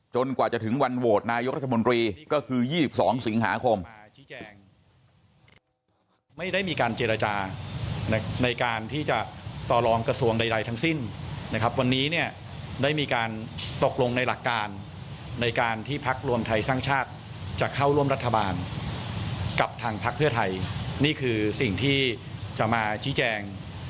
กว่าจะถึงวันโหวตนายกรัฐมนตรีก็คือ๒๒สิงหาคม